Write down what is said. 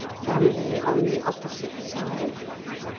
Family on the opposite side.